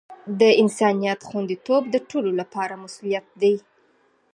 د انسانیت خوندیتوب د ټولو لپاره مسؤولیت دی.